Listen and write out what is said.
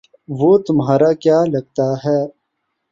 وہ تمہارا کیا لگتا ہے؟